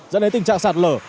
dẫn đến tình trạng sạt lở